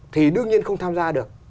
thì đương nhiên không tham gia được